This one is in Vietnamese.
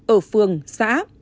ở phường xã